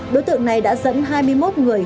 đối tượng này đã dẫn hai mươi một người